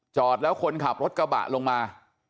จอดแล้วคนขับรถกระบะลงมา